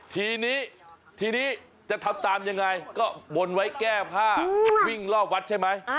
ทีนี้จะทำตามอย่างไรก็บนไว้แก้ผ้าวิ่งลอกวัดใช่ไหม